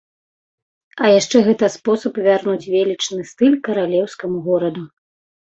А яшчэ гэта спроба вярнуць велічны стыль каралеўскаму гораду.